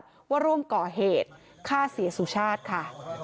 เพราะว่าร่วมก่อเหตุฆ่าเสียสุชาติค่ะ